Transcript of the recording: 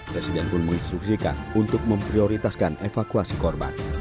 presiden pun menginstruksikan untuk memprioritaskan evakuasi korban